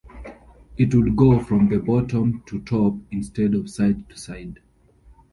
It would go from the bottom to top instead of side to side.